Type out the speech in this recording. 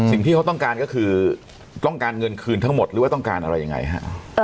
สิ่งที่เขาต้องการก็คือต้องการเงินคืนทั้งหมดหรือว่าต้องการอะไรยังไงฮะ